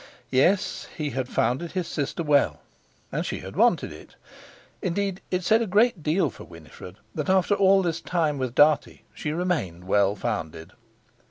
Yes, he had founded his sister well, and she had wanted it. Indeed, it said a great deal for Winifred that after all this time with Dartie she remained well founded.